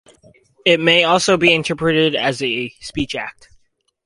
It may also be interpreted as a speech act.